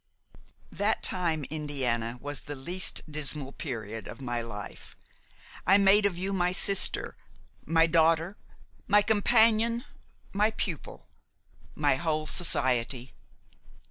"That time, Indiana, was the least dismal period of my life. I made of you my sister, my daughter, my companion, my pupil, my whole society.